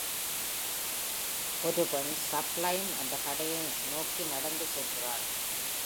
ஒரு பெண் Sublime என்ற கடையை நோக்கி நடந்து செல்கிறாள்.